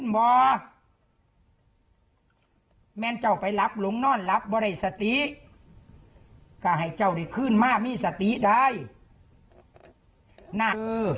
บอกแม่นเจ้าไปรับหลงนอนรับบริสติกะให้เจ้าได้ขึ้นมามีสติได้น่า